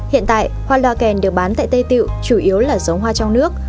hiện tại hoa loa kèn được bán tại tây tiệu chủ yếu là giống hoa trong nước